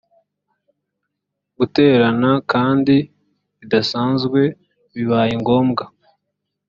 guterana kandi bidasanzwe bibaye ngombwa